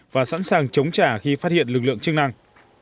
và sẵn sàng chống trả khi phát hiện lực lượng chức năng